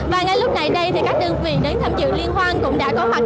và ngay lúc này đây thì các đơn vị đến thăm dự liên quan cũng đã có mặt